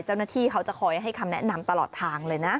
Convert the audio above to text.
เจ้าหน้าที่เขาจะคอยให้คำแนะนำตลอดทางเลยนะ